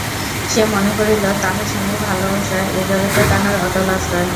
সে মনে করিল, তাহার স্বামীর ভালোবাসা এ জগতে তাহার অটল আশ্রয়।